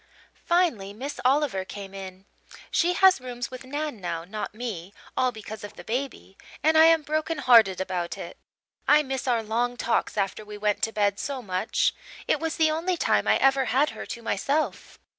"Finally, Miss Oliver came in. She has rooms with Nan now, not me, all because of the baby, and I am broken hearted about it. I miss our long talks after we went to bed, so much. It was the only time I ever had her to myself.